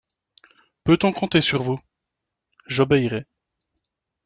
Peut-on compter sur vous ? J'obéirai.